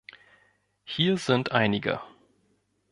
Hier sind einige.